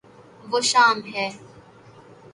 وہ شام ہے